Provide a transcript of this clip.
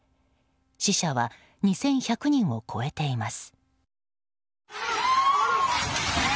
死者は２１００人を超えています。